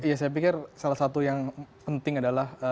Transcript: iya saya pikir salah satu yang penting adalah masa depan